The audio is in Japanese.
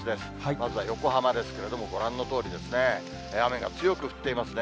まずは横浜ですけれども、ご覧のとおりですね。